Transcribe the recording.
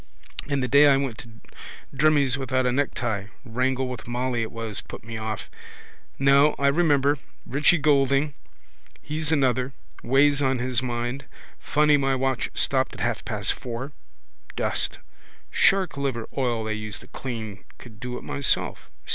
And the day I went to Drimmie's without a necktie. Wrangle with Molly it was put me off. No, I remember. Richie Goulding: he's another. Weighs on his mind. Funny my watch stopped at half past four. Dust. Shark liver oil they use to clean. Could do it myself.